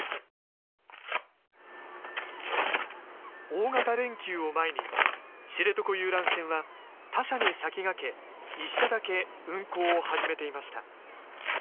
大型連休を前に、知床遊覧船は他社に先駆け１社だけ運航を始めていました。